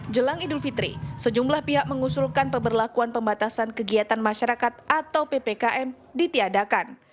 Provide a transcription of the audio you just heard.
jelang idul fitri sejumlah pihak mengusulkan pemberlakuan pembatasan kegiatan masyarakat atau ppkm ditiadakan